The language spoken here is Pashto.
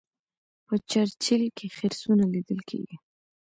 په چرچیل کې خرسونه لیدل کیږي.